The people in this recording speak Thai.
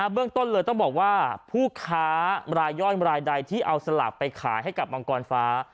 เรื่องต้นเลยต้องบอกว่าผู้ค้ารายย่อยรายใดที่เอาสลากไปขายให้กับมังกรฟ้า